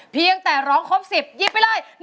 เพียงแต่ร้องครบ๑๐ยิบไปเลย